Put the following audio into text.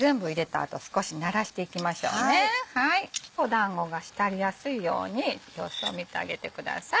だんごがひたりやすいように様子を見てあげてください。